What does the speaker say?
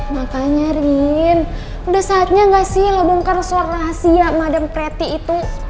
makanya rin udah saatnya ga sih lo bongkar suara rahasia madame preti itu